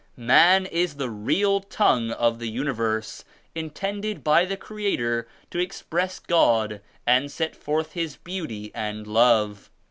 Man is the real tongue of the universe, intended by the Creator to express God and set forth His Beauty and Love.